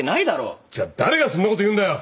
じゃ誰がそんなこと言うんだよ。